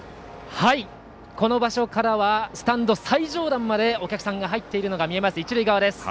この場所からはスタンド最上段までお客さんが入っているのが見える一塁側です。